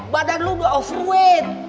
badan lo udah overweight